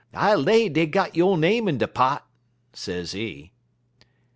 I lay dey got yo' name in de pot,' sezee.